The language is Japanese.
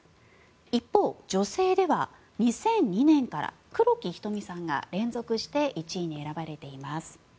一方、女性では２００２年から黒木瞳さんが連続して１位に選ばれています。